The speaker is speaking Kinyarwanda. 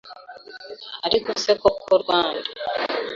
Ariko se koko Rwanda